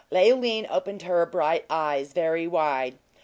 Leoline opened her bright eyes very wide.